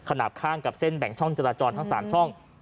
ขนาดข้างกับเส้นแบ่งช่องจราจรทั้ง๓ช่อง